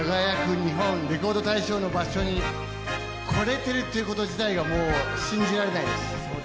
日本レコード大賞」の場所に来れてるということ自体が信じられないです。